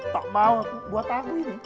tak mau buat aku ini